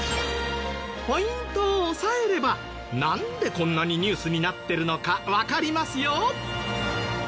ポイントを押さえればなんでこんなにニュースになってるのかわかりますよ！